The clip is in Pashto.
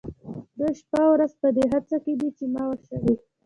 دوی شپه او ورځ په دې هڅه کې دي چې ما وشړي.